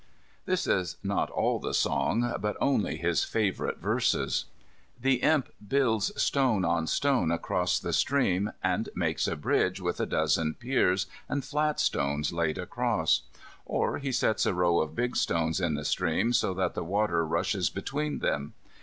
This is not all the song, but only his favourite verses. The Imp builds stone on stone across the stream, and makes a bridge with a dozen piers, and flat stones laid across. Or he sets a row of big stones in the stream, so that the water gushes between them.